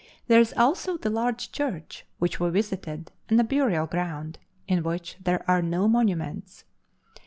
There is also the large church, which we visited, and a burial ground, in which there are no monuments.